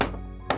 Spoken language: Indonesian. ada yang bertugas